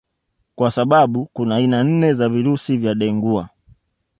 Kwa sababu kuna aina nne za virusi vya Dengua